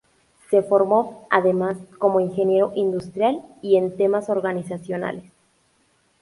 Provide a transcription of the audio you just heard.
Se formó, además, como ingeniero industrial y en temas organizacionales.